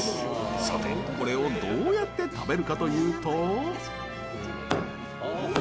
さて、これをどうやって食べるかというと。